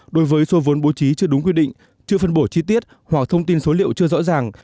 đối với số vốn bố trí chưa đúng quy định chưa phân bổ chi tiết hoặc thông tin số liệu chưa rõ ràng